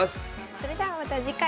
それではまた次回。